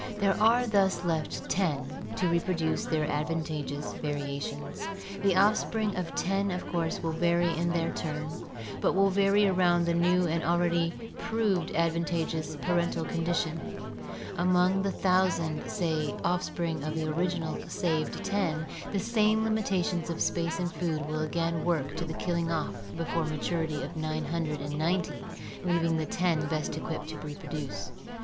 There are thus left ten to reproduce their advantageous variations. The off spring of the ten of course will vary in their turn, but will vary around the new and already proved advantageous parental condi tion: among the thousand, say, offspring of the original saved ten the same limitations of space and food will again work to the killing off before maturity of nine hundred and ninety, leaving the ten best equipped to reproduce.